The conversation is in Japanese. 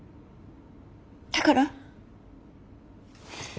だから。